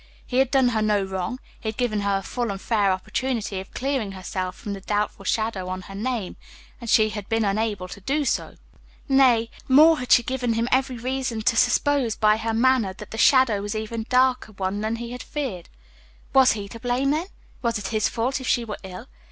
He had done her no wrong; he had given her a full and fair opportunity of clearing herself from the doubtful shadow on her name, and she had been unable to do so. Nay, more, she had given him every reason to suppose, by her manner, that the shadow was even a darker one than he had feared. Was he to blame, then? Was it his fault if she were ill?